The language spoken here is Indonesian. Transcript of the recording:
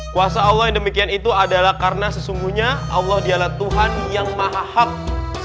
kuasa allah yang demikian itu adalah karena sesungguhnya allah dialah tuhan yang maha hak